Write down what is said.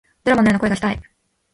ドラマのような恋がしたい